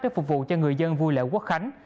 để phục vụ cho người dân vui lễ quốc khánh